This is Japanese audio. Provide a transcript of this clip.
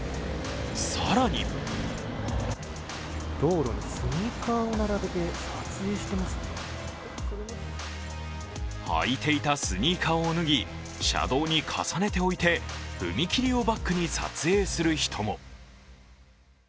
更に履いていたスニーカーを脱ぎ、車道に重ねて置いて踏切をバックに撮影する人も。